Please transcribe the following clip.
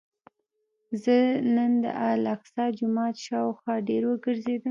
زه نن د الاقصی جومات شاوخوا ډېر وګرځېدم.